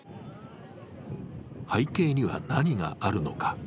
背景には、何があるのか。